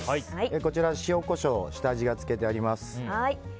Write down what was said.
こちら、塩、コショウで下味がつけてあります。